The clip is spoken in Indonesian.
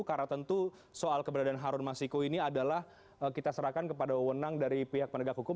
karena tentu soal keberadaan harun masiku ini adalah kita serahkan kepada wenang dari pihak pendegak hukum